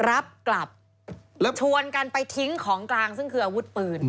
รับกลับชวนกันไปทิ้งของกลางซึ่งคืออาวุธปืน